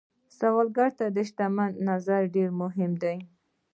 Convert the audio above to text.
سوالګر ته د شتمن نظر ډېر مهم دی